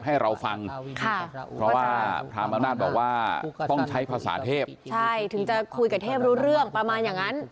ใช่ถึงจะคุยกับเทพรู้เรื่องประมาณอย่างนั้น